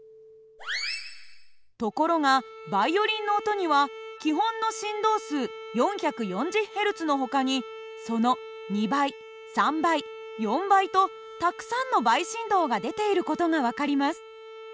ところがバイオリンの音には基本の振動数４４０Ｈｚのほかにその２倍３倍４倍とたくさんの倍振動が出ている事が分かります。